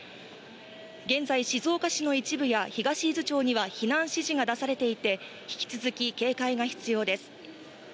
現在、静岡市の一部や東伊豆町には避難指示が出されていて、引き続き警戒が必要です。